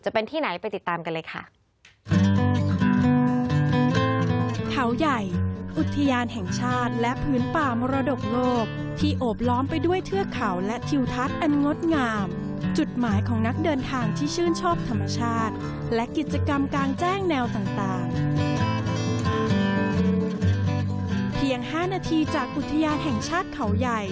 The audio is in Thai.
เป็นที่ไหนไปติดตามกันเลยค่ะ